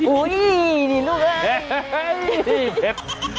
โอ้โฮนี่ลูกไอ้